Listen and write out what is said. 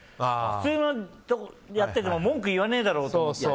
普通にやってても文句言わねえだろって。